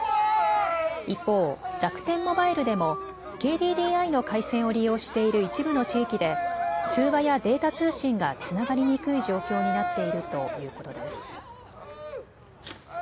一方、楽天モバイルでもＫＤＤＩの回線を利用している一部の地域で通話やデータ通信がつながりにくい状況になっているということです。